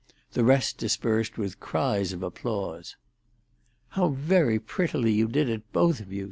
The rest dispersed with cries of applause. "How very prettily you did it, both of you!"